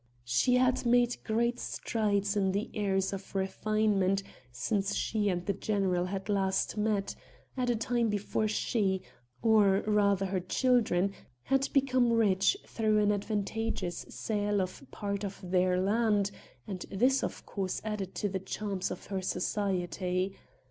She had made great strides in the airs of refinement since she and the general had last met at a time before she, or rather her children, had become rich through an advantageous sale of part of their land, and this of course added to the charms of her society.